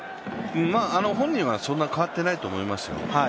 本人はそんなに変わってないと思いますよ。